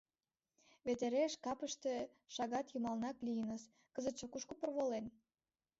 Вет эре шкапыште, шагат йымалнак лийыныс, кызытше кушко порволен?